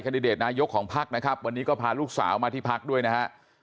ดิเดตนายกของพักนะครับวันนี้ก็พาลูกสาวมาที่พักด้วยนะฮะ